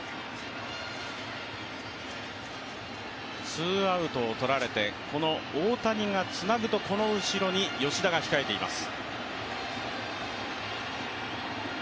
ツーアウトをとられて大谷がつなぐとこの後ろに吉田が控えています。